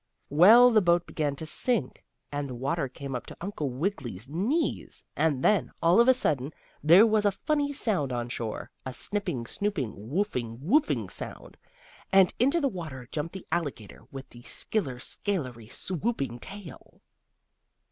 Well, the boat began to sink, and the water came up to Uncle Wiggily's knees, and then, all of a sudden there was a funny sound on shore, a snipping snooping woofing woofing sound, and into the water jumped the alligator with the skiller scalery, swooping tail.